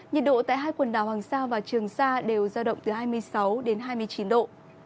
nhiệt độ tại hai quần đảo hoàng sa và trường sa đều giao động từ hai mươi sáu đến hai mươi chín độ